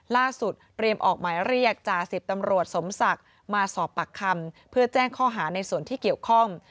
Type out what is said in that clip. เตรียมออกหมายเรียกจ่าสิบตำรวจสมศักดิ์มาสอบปากคำเพื่อแจ้งข้อหาในส่วนที่เกี่ยวข้อง